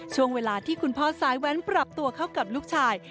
ช่วงเวลาที่คุณพ่อสายแว้นปรับตัวเข้ากับลูกชาย